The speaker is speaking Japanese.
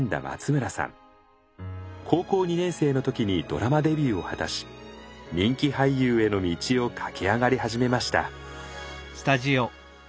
高校２年生の時にドラマデビューを果たし人気俳優への道を駆け上がり始めました。